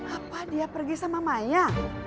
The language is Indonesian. apa dia pergi sama maya